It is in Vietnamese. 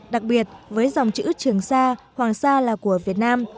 đặc biệt với dòng chữ trường sa hoàng sa là của việt nam